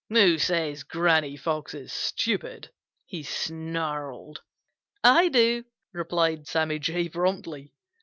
"Who says Granny Fox is stupid?" he snarled. "I do," replied Sammy Jay promptly.